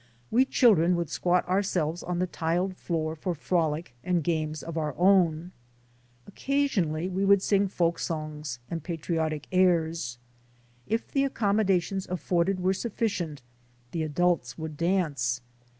We children would squat ourselves on the tiled floor for frolic and games of our own. Occasionally we would sing folk songs and patriotic airs. If the accommodations afforded were sufficient, the adults would dance.